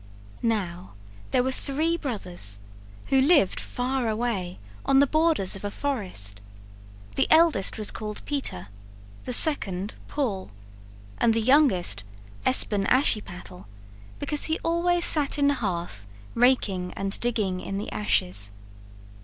Now there were three brothers, who lived far away on the borders of a forest; the eldest was called Peter, the second Paul, and the youngest Espen Ashiepattle, because he always sat in the hearth, raking and digging in the ashes.